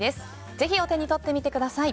ぜひ、お手に取ってみてください。